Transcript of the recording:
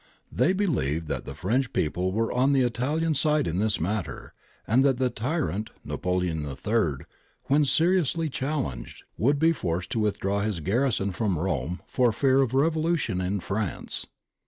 They believed that the French people were on the Italian side in this matter, and that the tyrant. Napoleon III, when seriously challenged, would be forced to withdraw his garrison from Rome for fear of revolution in France.